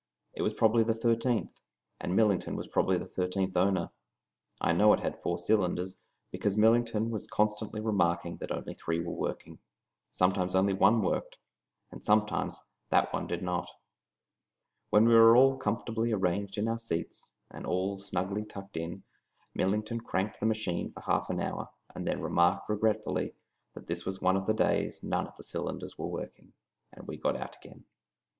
It was probably the thirteenth, and Millington was probably the thirteenth owner. I know it had four cylinders, because Millington was constantly remarking that only three were working. Sometimes only one worked, and sometimes that one did not. When we were all comfortably arranged in our seats, and all snugly tucked in, Millington cranked the machine for half an hour, and then remarked regretfully that this was one of the days none of the cylinders was working, and we got out again.